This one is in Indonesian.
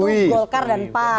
ya waktu itu golkar dan pan